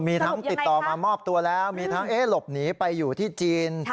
มีทั้งติดต่อมามอบตัวแล้วมีทั้งหลบหนีไปอยู่ที่จีน